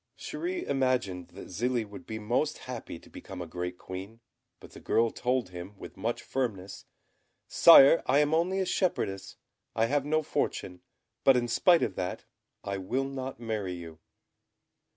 Chéri imagined that Zélie would be most happy to become a great Queen; but the girl told him, with much firmness, "Sire, I am only a shepherdess; I have no fortune; but in spite of that, I will not marry you."